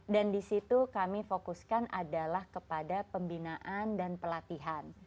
dan di situ kami fokuskan adalah kepada pembinaan dan pelatihan